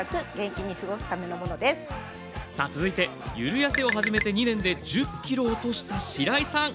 続いてゆるやせを始めて２年で１０ｋｇ落としたしらいさん。